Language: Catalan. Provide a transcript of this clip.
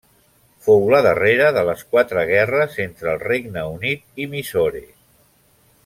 Fou la darrera de les quatre guerres entre el Regne Unit i Mysore.